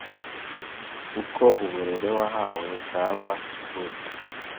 Uko uburere wahawe bwaba buri